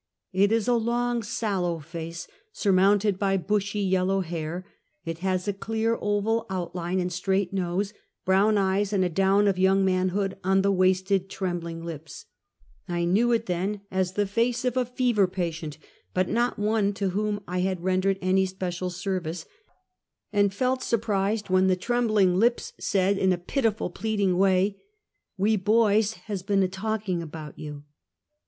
It is a long, sallow face, surmounted by bushy, yellow hair; it has a clear, oval outline, and straight nose, brown eyes and a down of young manhood on the wasted, trembling lips; I knew it then, as the face of a fever patient, but not one to whom I had rendered any special service, and felt surprised when the trembling lips said, in a pitiful, pleading way. " We boys has been a talkin' about you!"